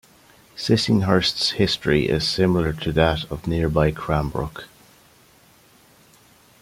Sissinghurst's history is similar to that of nearby Cranbrook.